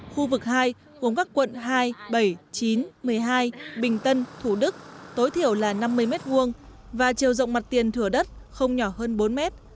khu vực hai gồm các quận hai bảy chín một mươi hai bình tân thủ đức tối thiểu là năm mươi m hai và chiều rộng mặt tiền thửa đất không nhỏ hơn bốn mét